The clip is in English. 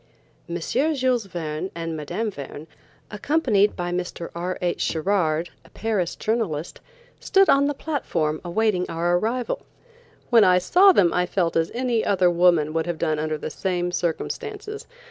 M. JULES VERNE and Mme. Verne, accompanied by Mr. R. H. Sherard, a Paris journalist, stood on the platform waiting our arrival. When I saw them I felt as any other woman would have done under the same circumstances.